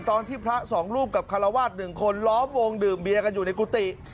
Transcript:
ตอนที่พระสองรูปกับคาราวาสหนึ่งคนล้อมวงดื่มเบียกันอยู่ในกุฏิ